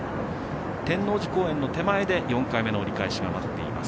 天王寺公園の手前で、４回目の折り返しが待っています。